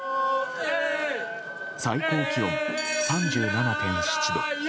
最高気温３７．７度。